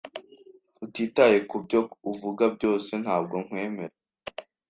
Utitaye kubyo uvuga byose, ntabwo nkwemera.